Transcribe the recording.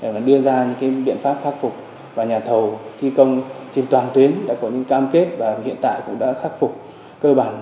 và đưa ra những biện pháp khắc phục và nhà thầu thi công trên toàn tuyến đã có những cam kết và hiện tại cũng đã khắc phục cơ bản